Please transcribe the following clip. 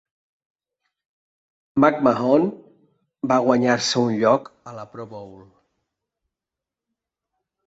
McMahon va guanyar-se un lloc a la Pro Bowl.